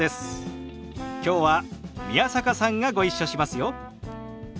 きょうは宮坂さんがご一緒しますよ。